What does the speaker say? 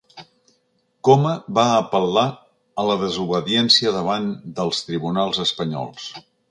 Coma va apel·lar a la desobediència davant dels tribunals espanyols.